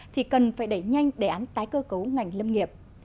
thì cần phải đẩy nhanh đề án tái cơ cấu ngành lâm nghiệp